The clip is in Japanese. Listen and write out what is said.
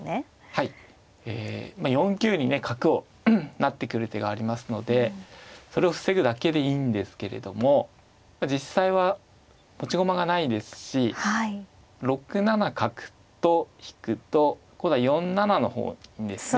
はいえ４九にね角を成ってくる手がありますのでそれを防ぐだけでいいんですけれども実際は持ち駒がないですし６七角と引くと今度は４七の方ですね。